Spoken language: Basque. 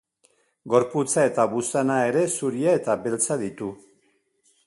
Gorputza eta buztana ere zuria eta beltza ditu.